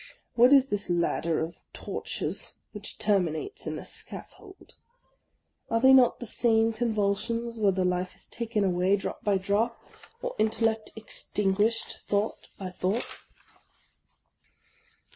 What is this ladder of tortures which terminates in the scaffold? Are they not the same convulsions whether life is taken away drop by drop, or intellect extinguished thought by thought?